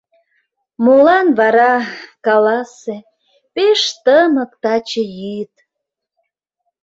Молан вара, каласе, пеш тымык таче йӱд?